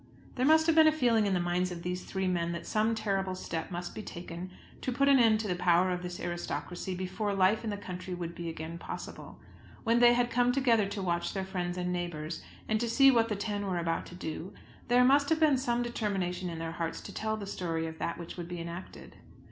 There must have been a feeling in the minds of these three men that some terrible step must be taken to put an end to the power of this aristocracy, before life in the country would be again possible. When they had come together to watch their friends and neighbours, and see what the ten were about to do, there must have been some determination in their hearts to tell the story of that which would be enacted.